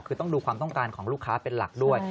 คือต้องดูความต้องการของลูกค้าเป็นหลักด้วย